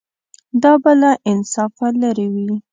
دا به له انصافه لرې وي.